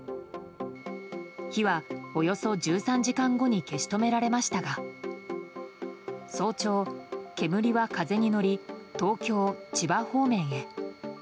火はおよそ１３時間後に消し止められましたが早朝、煙は風に乗り東京・千葉方面へ。